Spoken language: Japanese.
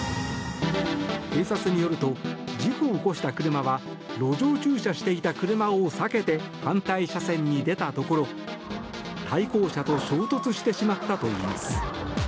警察によると事故を起こした車は路上駐車していた車を避けて反対車線に出たところ対向車と衝突してしまったといいます。